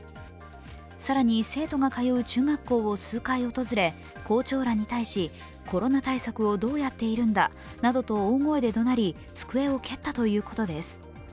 更に生徒が通う中学校を数回訪れ、校長らに対しコロナ対策をどうやっているんだなどと大声で怒鳴り机を蹴ったということです。